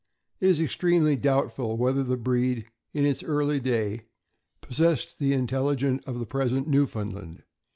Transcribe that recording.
It is extremely doubtful whether the breed, in its early day, possessed the intelli gence of the present Newfoundland.